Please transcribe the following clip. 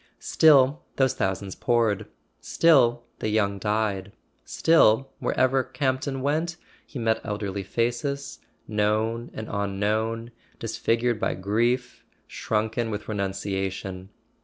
Still those thousands poured; still the young died; still, wherever Campton went, he met elderly faces, known and unknown, disfigured by grief, shrunken with renunciation.